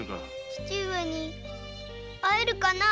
父上に会えるかなあ？